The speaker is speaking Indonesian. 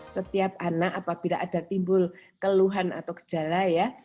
setiap anak apabila ada timbul keluhan atau gejala ya